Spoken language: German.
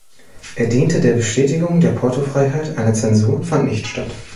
Er diente der Bestätigung der Portofreiheit, eine Zensur fand nicht statt.